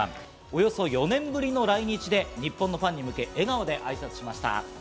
およそ４年ぶりの来日で日本のファンに向け笑顔で挨拶をしました。